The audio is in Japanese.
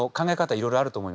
いろいろあると思います。